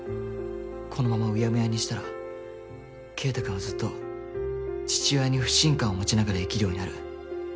このまま有耶無耶にしたら慧太くんはずっと父親に不信感を持ちながら生きるようになる。